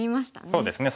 そうですね。